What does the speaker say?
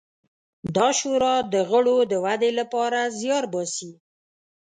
دا شورا د غړو د ودې لپاره زیار باسي.